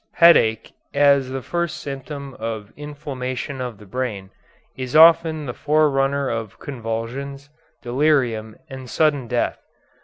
Headache, as the first symptom of inflammation of the brain, is often the forerunner of convulsions, delirium, and sudden death.